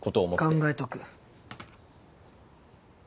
考えとく。